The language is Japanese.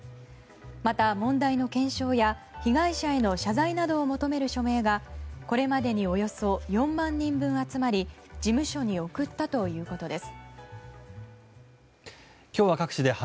また問題の検証や、被害者への謝罪などを求める署名がこれまでにおよそ４万人分集まり事務所に送ったということです。